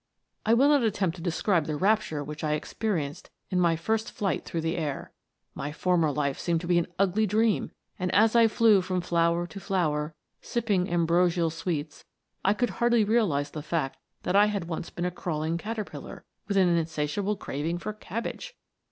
I will not attempt to describe the rapture which I experienced in my first flight through the air. My former life seemed to be an ugly dream ; and as I flew from flower to flower, sipping ambrosial sweets, I could hardly realize the fact that I had once been a crawling caterpillar, with an insatiable craving for cabbage.